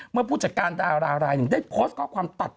เมื่อผู้จัดการตาลาลายได้โพสต์ข้อความตัด